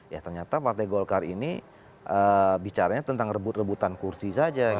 ya ternyata partai golkar ini bicaranya tentang rebut rebutan kursi saja